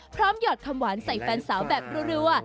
พร้อมหยอดคำหวานใส่แฟนสาวแบบเร็ว